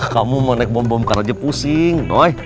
kamu mau naik bom bom kan aja pusing